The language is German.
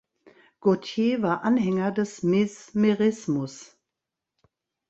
Gautier war Anhänger des Mesmerismus.